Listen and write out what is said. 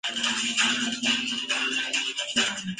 Forma parte de la aglomeración del Gran Buenos Aires.